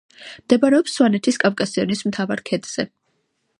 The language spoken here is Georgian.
მდებარეობს სვანეთის კავკასიონის მთავარ ქედზე.